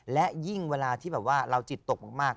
และยิ่งเวลาที่แบบว่าเราจิตตกมาก